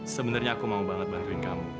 sebenarnya aku mau banget bantuin kamu